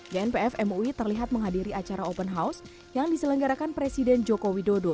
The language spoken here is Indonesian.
genpfmui terlihat menghadiri acara open house yang diselenggarakan presiden jokowi dodo